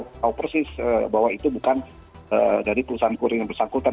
kita tahu persis bahwa itu bukan dari perusahaan kurir yang bersangkutan